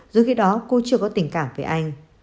dù khi đó cô chưa có tình cảm với anh